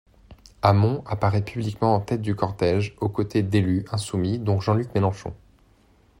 Hamon apparaît publiquement en tête du cortège aux côtés d'élus insoumis dont Jean-Luc Mélenchon.